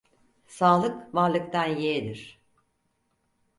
Sağlık varlıktan yeğdir.